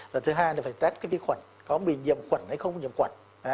rồi thứ hai là phải test cái vi khuẩn có bị nhiệm khuẩn hay không nhiệm khuẩn